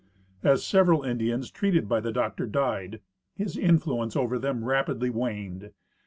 As several Indians treated by the doctor died, his influence over them rapidly waned.